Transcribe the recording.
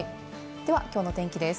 ではきょうの天気です。